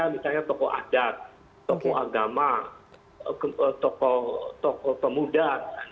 misalnya tokoh adat tokoh agama tokoh pemuda